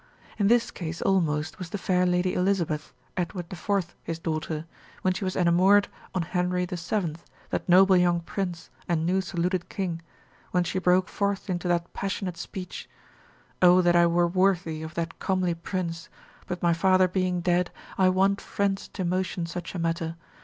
In this case almost was the fair lady Elizabeth, Edward the Fourth his daughter, when she was enamoured on Henry the Seventh, that noble young prince, and new saluted king, when she broke forth into that passionate speech, O that I were worthy of that comely prince! but my father being dead, I want friends to motion such a matter!